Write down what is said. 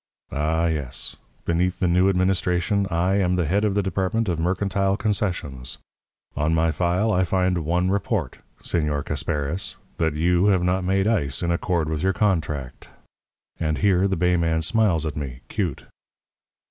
Ah, yes. Beneath the new administration I am the head of the Department of Mercantile Concessions. On my file I find one report, Señor Casparis, that you have not made ice in accord with your contract.' And here the bay man smiles at me, 'cute.